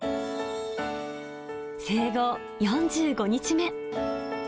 生後４５日目。